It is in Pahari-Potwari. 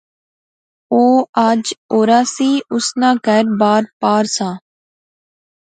او اج اورار سی، اس نا کہھر بار پار سا